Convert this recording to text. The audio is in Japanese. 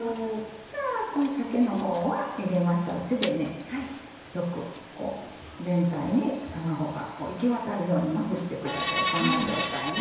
じゃあこの鮭の方は入れましたら手でよく全体に卵が行き渡るようにまぶしてくださいこんな状態ね。